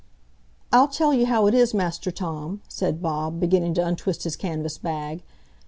"I'll tell you how it is, Master Tom," said Bob, beginning to untwist his canvas bag.